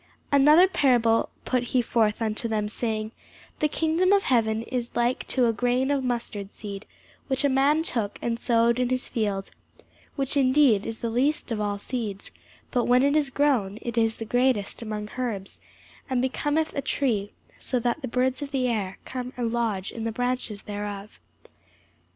Another parable put he forth unto them, saying, The kingdom of heaven is like to a grain of mustard seed, which a man took, and sowed in his field: which indeed is the least of all seeds: but when it is grown, it is the greatest among herbs, and becometh a tree, so that the birds of the air come and lodge in the branches thereof.